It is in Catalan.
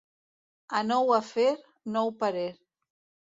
A nou afer, nou parer.